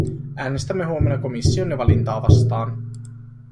Äänestämme huomenna komissionne valintaa vastaan.